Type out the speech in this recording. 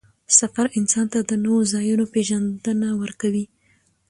سفر انسان ته د نوو ځایونو پېژندنه ورکوي